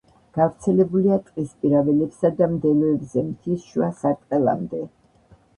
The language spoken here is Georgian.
გავრცელებულია ტყისპირა ველებსა და მდელოებზე მთის შუა სარტყელამდე.